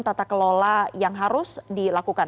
tata kelola yang harus dilakukan